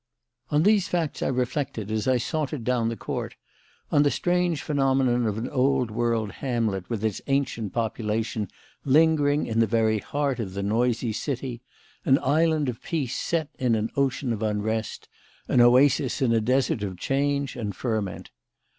On these facts I reflected as I sauntered down the court: on the strange phenomenon of an old world hamlet with its ancient population lingering in the very heart of the noisy city; an island of peace set in an ocean of unrest, an oasis in a desert of change and ferment.